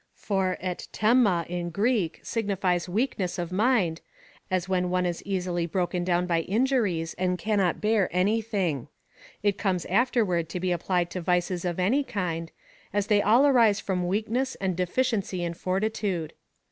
For rjTTrjfxa in Greek signifies weakness of mind, as when one is easily broken down^ by injuries, and cannot bear anything : it comes afterward to be apj^lied to vices of any kind, as they all arise from weakness and defi ciency in fortitude.